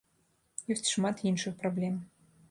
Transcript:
Ёсць шмат іншых праблем.